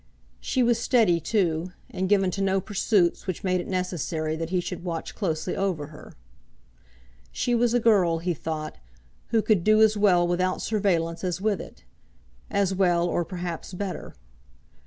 She was steady, too, and given to no pursuits which made it necessary that he should watch closely over her. She was a girl, he thought, who could do as well without surveillance as with it, as well, or perhaps better.